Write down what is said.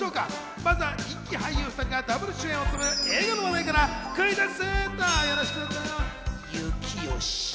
まずは人気俳優２人がダブル主演を務める映画の話題からクイズッス！